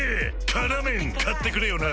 「辛麺」買ってくれよな！